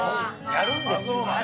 やるんですよ。